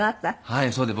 はいそうです。